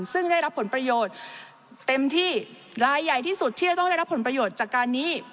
ซึ่งได้รับผลประโยชน์เต็มที่รายใหญ่ที่สุดที่จะต้องได้รับผลประโยชน์จากการนี้